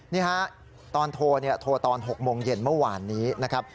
นี่ฮะตอนโทรตอน๖โมงเย็นเมื่อวานนี้นะครับ